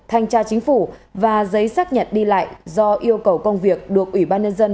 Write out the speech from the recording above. thanh tra chính phủ và giấy xác nhận đi lại do yêu cầu công việc được ủy ban nhân dân